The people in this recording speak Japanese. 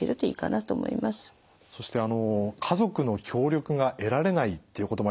そして家族の協力が得られないっていうこともありました。